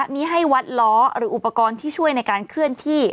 มีให้วัดล้อหรืออุปกรณ์ที่ช่วยในการเคลื่อนที่